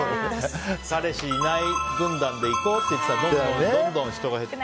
彼氏いない同士で行こうと言っていたらどんどん、人が減って。